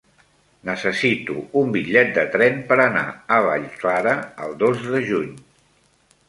Necessito un bitllet de tren per anar a Vallclara el dos de juny.